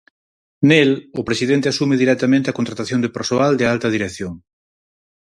Nel, o presidente asume directamente a contratación de persoal de alta dirección.